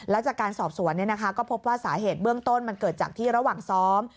แล้วจากการสอบสวนก็พบว่าสาเหตุเบื้องต้นมันเกิดจากที่ระหว่างซ้อม